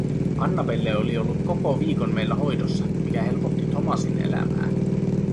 Annabelle oli ollut koko viikon meillä hoidossa, mikä helpotti Thomasin elämää.